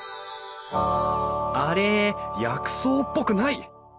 あれ薬草っぽくない！